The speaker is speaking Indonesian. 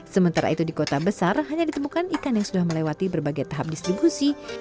sementara itu di kota besar hanya ditemukan ikan yang sudah melewati berbagai tahap distribusi